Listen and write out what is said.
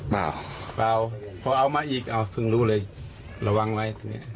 เปล่าเปล่าพอเอามาอีกเอาเพิ่งรู้เลยระวังไว้